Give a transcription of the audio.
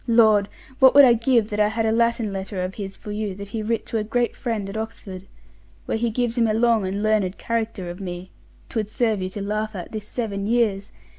Lord! what would I give that I had a Latin letter of his for you, that he writ to a great friend at Oxford, where he gives him a long and learned character of me; 'twould serve you to laugh at this seven years.